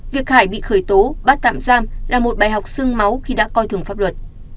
việc hải bị khởi tố bắt tạm giam là một bài học sương máu khi đã coi thường pháp luật